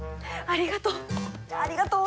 ありがとう！